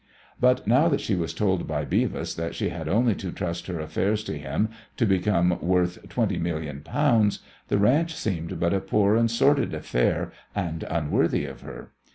But now that she was told by Beavis that she had only to trust her affairs to him to become worth £20,000,000, the ranch seemed but a poor and sordid affair and unworthy of her.